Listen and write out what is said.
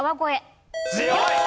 強い！